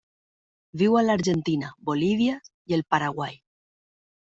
Viu a l'Argentina, Bolívia i el Paraguai.